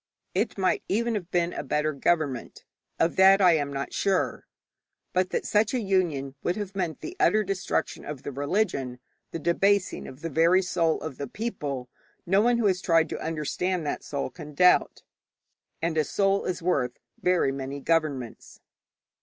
It might even have been a better government; of that I am not sure. But that such a union would have meant the utter destruction of the religion, the debasing of the very soul of the people, no one who has tried to understand that soul can doubt. And a soul is worth very many governments.